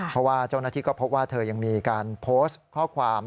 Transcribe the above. เพราะว่าเจ้าหน้าที่ก็พบว่าเธอยังมีการโพสต์ข้อความ